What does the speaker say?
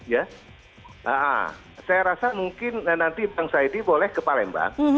saya rasa mungkin nanti bang saidi boleh ke palembang